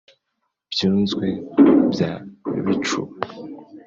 byunzwe bya bicuba,